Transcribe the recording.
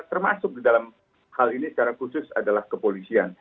termasuk di dalam hal ini secara khusus adalah kepolisian